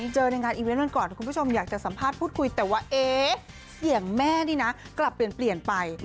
เจอในงานอีเวนต์วันก่อนคุณผู้ชมอยากจะสัมภาษณ์พูดคุยแต่ว่าเสียงแม่นี่นะกลับเปลี่ยนไป